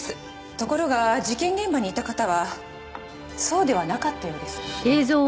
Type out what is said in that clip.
ところが事件現場にいた方はそうではなかったようです。